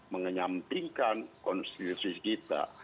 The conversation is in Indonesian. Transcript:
mengenyampingkan konstitusi kita